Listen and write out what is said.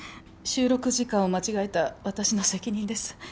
収録時間を間違えた私の責任です。